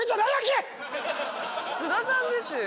津田さんですよ。